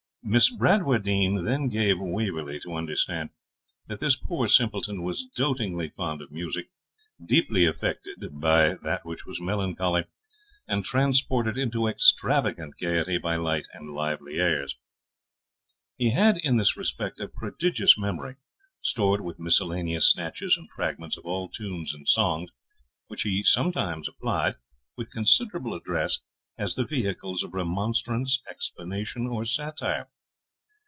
Miss Bradwardine then gave Waverley to understand that this poor simpleton was dotingly fond of music, deeply affected by that which was melancholy, and transported into extravagant gaiety by light and lively airs. He had in this respect a prodigious memory, stored with miscellaneous snatches and fragments of all tunes and songs, which he sometimes applied, with considerable address, as the vehicles of remonstrance, explanation, or satire.